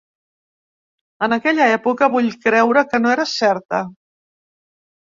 En aquella època vull creure que no era certa